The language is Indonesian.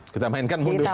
kita mainkan mundur